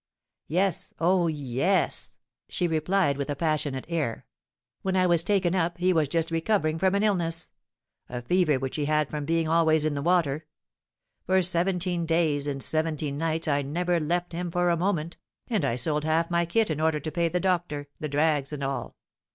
"Yes, oh, yes!" she replied, with a passionate air. "When I was taken up, he was just recovering from an illness, a fever which he had from being always in the water. For seventeen days and seventeen nights I never left him for a moment, and I sold half my kit in order to pay the doctor, the drags and all.